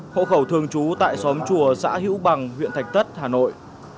khẩu khẩu thương chú tại xóm chùa xã hữu bằng huyện thạch tất hà nội